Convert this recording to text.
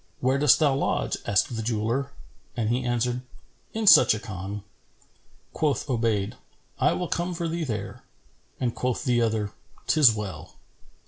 "Where dost thou lodge?" asked the jeweller; and he answered, "In such a Khan." Quoth Obayd, "I will come for thee there;" and quoth the other "'Tis well."